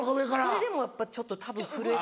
それでもちょっとたぶん震えて。